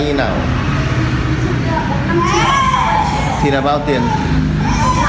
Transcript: à nếu mà các tỉnh thì là bao tiền vay như nào